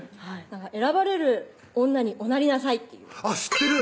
選ばれる女におなりなさいっていう知ってる！